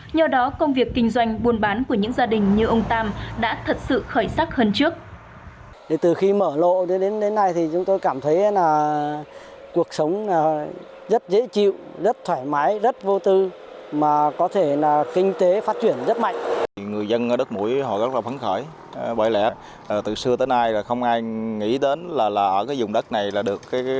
nhờ đó công việc kinh doanh buôn bán của những gia đình như ông tam đã thật sự khởi sắc hơn trước